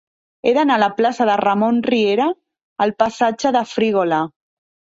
He d'anar de la plaça de Ramon Riera al passatge de Frígola.